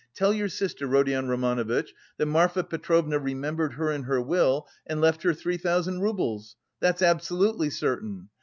Tell your sister, Rodion Romanovitch, that Marfa Petrovna remembered her in her will and left her three thousand roubles. That's absolutely certain.